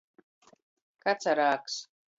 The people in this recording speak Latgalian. Kacarāgs.